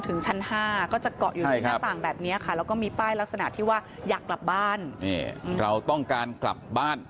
ถึงชั้น๕ก็จะเกาะอยู่ที่หน้าต่างแบบนี้ค่ะแล้วก็มีป้ายลักษณะที่ว่าอยากกลับบ้านเราต้องการกลับบ้าน